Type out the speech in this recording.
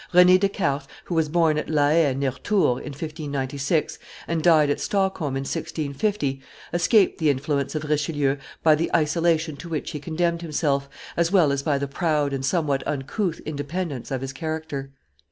Rene Descartes, who was born at La Haye, near Tours, in 1596, and died at Stockholm in 1650, escaped the influence of Richelieu by the isolation to which he condemned himself, as well as by the proud and somewhat uncouth independence of his character.